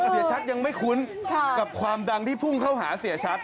เสียชัดยังไม่คุ้นกับความดังที่พุ่งเข้าหาเสียชัด